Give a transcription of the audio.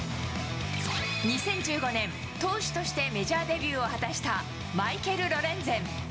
２０１５年、投手としてメジャーデビューを果たした、マイケル・ロレンゼン。